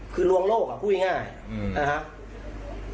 คือลวงโลกพูดง่ายนะครับ